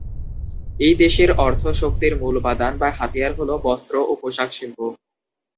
এই দেশের অর্থ শক্তির মূল উপাদান বা হাতিয়ার হলো বস্ত্র ও পোশাক শিল্প।